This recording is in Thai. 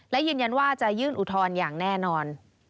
และยืนยันว่าจะยื่นอุทธรณ์อย่างแน่นอน